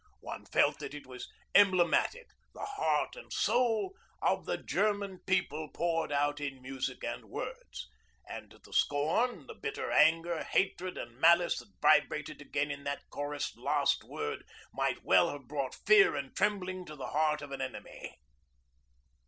One felt that it was emblematic, the heart and soul of the German people poured out in music and words. And the scorn, the bitter anger, hatred, and malice that vibrated again in that chorused last word might well have brought fear and trembling to the heart of an enemy.